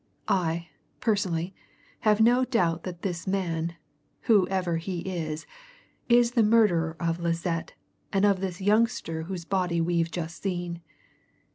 I, personally, have no doubt that this man, whoever he is, is the murderer of Lisette and of this youngster whose body we've just seen.